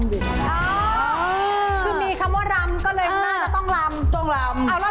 คือมีคำว่าลำก็เลยต้องลำ